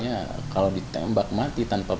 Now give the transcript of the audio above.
ya kalau ditembak mati tanpa